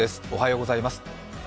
おはようございます。